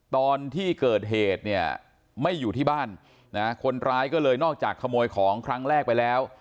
ตอนที่เกิดเหตุเนี่ยไม่อยู่ที่บ้านนะคนร้ายก็เลยนอกจากขโมยของครั้งแรกไปแล้ว